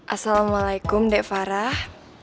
assalamualaikum dek farah